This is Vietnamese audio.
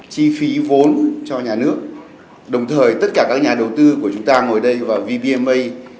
chi phí vốn cho nhà nước đồng thời tất cả các nhà đầu tư của chúng ta ngồi đây và vbma